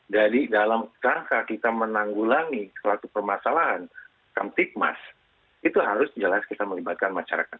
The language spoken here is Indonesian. jadi dalam tangka kita menanggulangi suatu permasalahan kamtikmas itu harus jelas kita melibatkan masyarakat